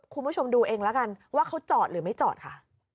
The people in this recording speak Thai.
คุณผู้ชมดูเองแล้วกันว่าเขาจอดหรือไม่จอดค่ะ